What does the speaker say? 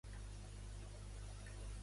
Què ha dit amb èmfasi Sabrià?